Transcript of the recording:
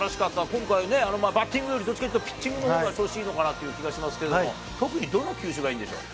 今回ね、バッティングよりどっちかというと、ピッチングのほうが調子いいのかなという気がしますけど、特にどの球種がいいんでしょう？